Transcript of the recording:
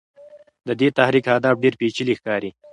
د دې تحریک اهداف ډېر پېچلي ښکاري.